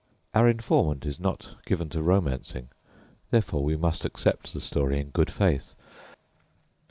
Our informant is not given to romancing, therefore we must accept the story in good faith.